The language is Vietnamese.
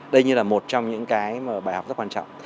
đây như là một trong những cái bài học rất quan trọng